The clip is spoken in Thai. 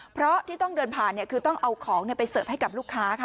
เพราะที่ต้องเดินผ่านคือต้องเอาของไปเสิร์ฟให้กับลูกค้าค่ะ